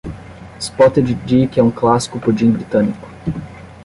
Spotted dick é um clássico pudim britânico.